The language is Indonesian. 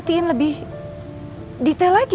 perhatikan lebih detail lagi